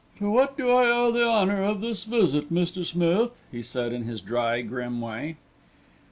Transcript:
"To what do I owe the honour of this visit, Mr. Smith?" he said, in his dry, grim way.